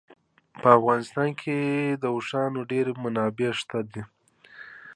په افغانستان کې د اوښانو ډېرې منابع شته دي.